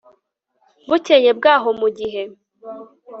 bukeye bwaho mu gihe